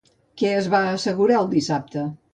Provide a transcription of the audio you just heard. Què es va assegurar el dissabte?